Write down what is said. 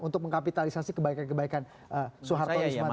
untuk mengkapitalisasi kebaikan kebaikan soeharto dan ismantara